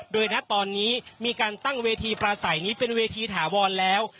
โดยณตอนนี้มีการตั้งเวทีปราศัยนี้เป็นเวทีถาวรแล้ว